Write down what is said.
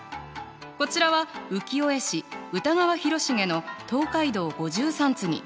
こちらは浮世絵師歌川広重の「東海道五十三次」。